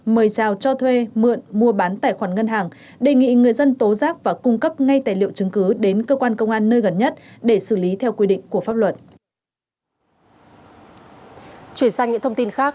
mời chào cho thuê mượn mua bán tài khoản ngân hàng đề nghị người dân tố giác và cung cấp ngay tài liệu chứng cứ đến cơ quan công an nơi gần nhất để xử lý theo quy định của pháp luật